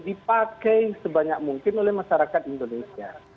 dipakai sebanyak mungkin oleh masyarakat indonesia